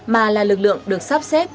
mà là lực lượng được sắp xếp